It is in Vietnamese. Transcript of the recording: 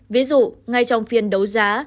ví dụ ngay trong phiên đấu giá